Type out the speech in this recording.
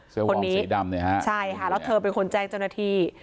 เสื้อวองสีดำนะฮะใช่ค่ะแล้วเธอเป็นคนแจ้งจำหน้าที่